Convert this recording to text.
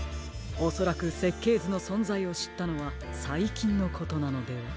おそらくせっけいずのそんざいをしったのはさいきんのことなのでは？